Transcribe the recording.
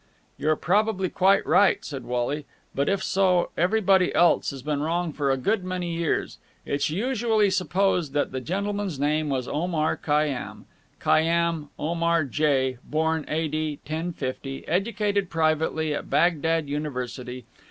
"You're probably quite right," said Wally, "but, if so, everybody else has been wrong for a good many years. It's usually supposed that the gentleman's name was Omar Khayyám. Khayyám, Omar J. Born A.D. 1050, educated privately and at Bagdad University.